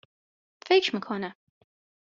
فکر می کنه